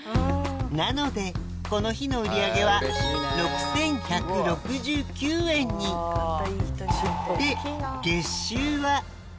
なのでこの日の売り上げは６１６９円にでありました。